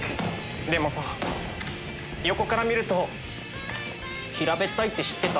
でもさ横から見ると平べったいって知ってた？